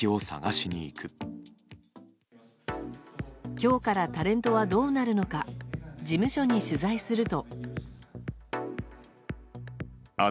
今日からタレントはどうなるのか事務所に取材すると。